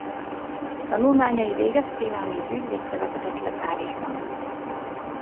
Tanulmányai végeztével mint ügyvéd telepedett le Párizsban.